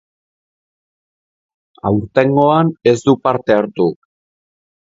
Aurtengoan ez du parte hartu.